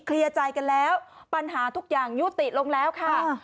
เคลียร์ใจกันแล้วปัญหาทุกอย่างยุติลงแล้วค่ะ